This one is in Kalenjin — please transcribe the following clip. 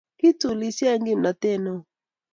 Kiitulisyo eng' kimnatet neoo